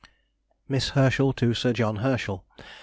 MISS HERSCHEL TO SIR JOHN HERSCHEL.